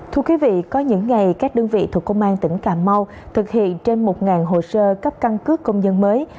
thưa quý vị có những ngày các đơn vị thuộc công an tỉnh cà mau thực hiện trên một hồ sơ cấp căn cước công dân mới